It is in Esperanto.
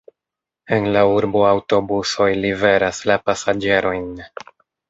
En la urbo aŭtobusoj liveras la pasaĝerojn.